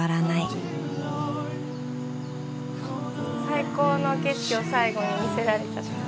最高の景色を最後に見せられちゃった。